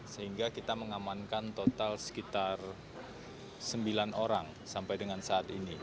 sehingga kita mengamankan total sekitar sembilan orang sampai dengan saat ini